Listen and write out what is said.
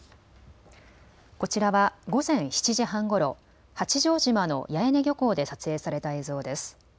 こちらは午前７時半ごろ、八丈島の八重根漁港で撮影された映像です。